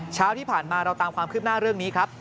เช้าที่ผ่านมาเราตามความคืบหน้าเรื่องนี้ครับ